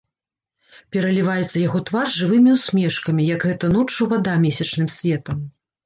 Пераліваецца яго твар жывымі ўсмешкамі, як гэта ноччу вада месячным светам.